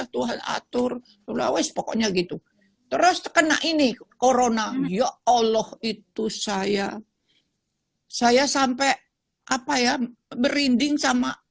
tuhan atur pokoknya gitu terus kena ini corona ya allah itu saya saya sampai berinding sama